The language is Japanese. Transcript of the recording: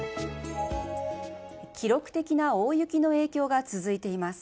記録的な大雪の影響が続いています。